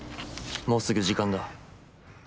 もうすぐ時間だ。